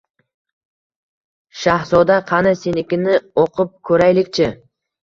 Shahzoda, qani, senikini o`qib ko`raylik-chi